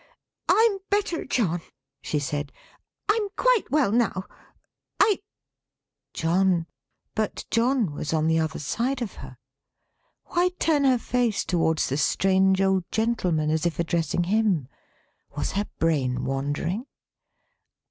"I'm better, John," she said. "I'm quite well now I " John! But John was on the other side of her. Why turn her face towards the strange old gentleman, as if addressing him! Was her brain wandering?